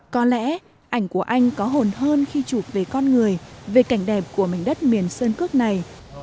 có lẽ ảnh của anh có hồn hơn khi chụp về con người về cảnh đẹp của mảnh đất miền sơn cước này